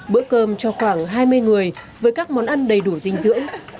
bữa cơm cho khoảng hai mươi người với các món ăn đầy đủ dinh dưỡng